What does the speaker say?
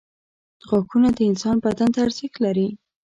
• غاښونه د انسان بدن ته ارزښت لري.